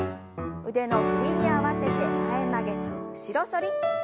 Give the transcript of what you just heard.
腕の振りに合わせて前曲げと後ろ反り。